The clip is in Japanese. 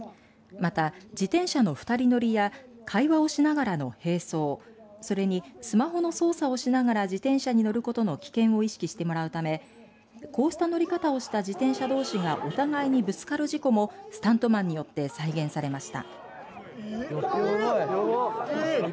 また、自転車の２人乗りや会話をしながらの並走それに、スマホの操作をしながら自転車に乗ることの危険を意識してもらうためこうした乗り方をした自転車どうしがお互いぶつかる事故もスタントマンによって再現されました。